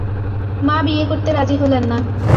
মা বিয়ে করতে রাজি হলেন না।